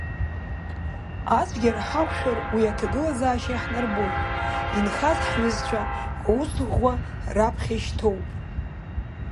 Ацәгьара ҳақәшәар уи аҭагылазаашьа иаҳнарбоит инхаз ҳҩызцәа аус ӷәӷәа раԥхьа ишьҭоуп…